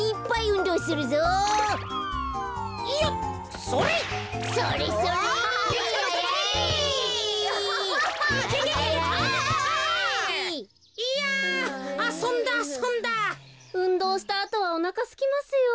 うんどうしたあとはおなかすきますよ。